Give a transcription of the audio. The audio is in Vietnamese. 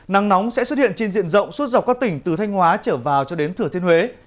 nắng nóng sẽ xuất hiện trên diện rộng suốt dọc các tỉnh từ thanh hóa trở vào cho đến thừa thiên huế